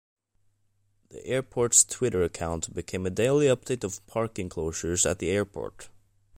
The airport's Twitter account became a daily update of parking closures at the airport.